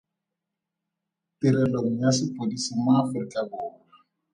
Tirelong ya Sepodisi mo Aforika Borwa.